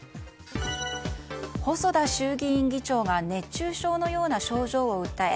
細田衆議院議長が熱中症のような症状を訴え